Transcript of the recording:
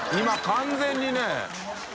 完全にね。